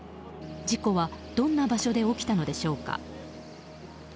事故は、どんな場所で起きたのでしょうか。